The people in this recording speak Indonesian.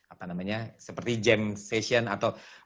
apa namanya seperti jam session atau